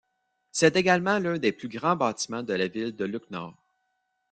C'est également l'un des plus grands bâtiments de la ville de Lucknow.